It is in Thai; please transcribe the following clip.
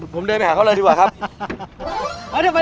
ผมเดินไปหาเขาเลยดีกว่าครับ